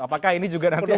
apakah ini juga nanti akan